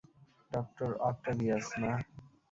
Doctor Octavius, না।